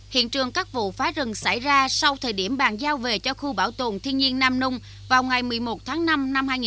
hiện trường các vụ phá rừng xảy ra sau thời điểm bàn giao về cho khu bảo tồn thiên nhiên nam nung vào ngày một mươi một tháng năm năm hai nghìn một mươi ba